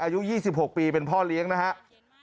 อายุ๒๖ปีเป็นพ่อเลี้ยงนะครับ